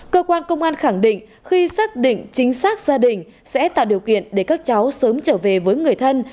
cơ quan công an khẳng định khi xác định chính xác gia đình sẽ tạo điều kiện để các cháu sớm trở về với người thân